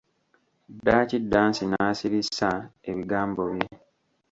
Ddaaki Dance n'asirissa ebigambo bye.